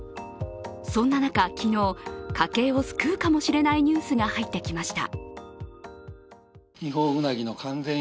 そんな中、昨日、家計を救うかもしれないニュースが入ってきました。